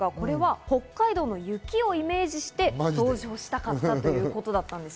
北海道の雪をイメージして登場したということです。